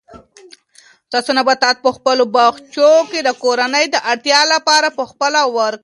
تاسو نباتات په خپلو باغچو کې د کورنۍ د اړتیا لپاره په خپله وکرئ.